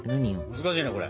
難しいなこれ。